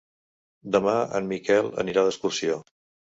Demà en Miquel anirà d'excursió.